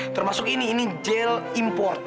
termasuk ini ini gel import